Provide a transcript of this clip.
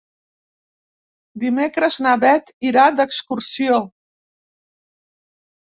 Dimecres na Beth irà d'excursió.